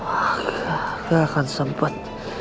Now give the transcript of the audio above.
aku gak akan sempet